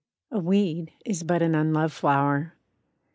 A WEED is but an unloved flower!